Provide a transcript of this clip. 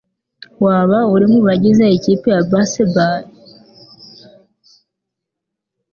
Waba uri mubagize ikipe ya baseball?